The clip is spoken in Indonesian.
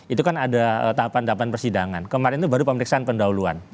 itu kan ada tahapan tahapan persidangan kemarin itu baru pemeriksaan pendahuluan